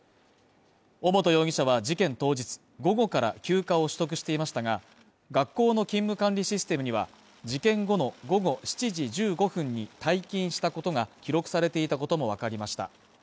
尾本容疑者は事件当日午後から休暇を取得していましたが、学校の勤務管理システムには、事件後の午後７時１５分に退勤したことが記録されていたこともわかりました。